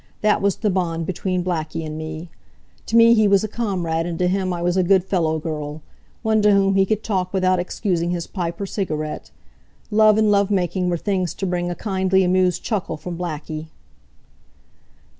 That was the bond between Blackie and me. To me he was a comrade, and to him I was a good fellow girl one to whom he could talk without excusing his pipe or cigarette. Love and love making were things to bring a kindly, amused chuckle from Blackie."